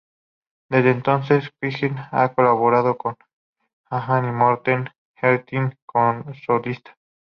Desde entonces Kjetil ha colaborado con a-ha y Morten Harket como solista.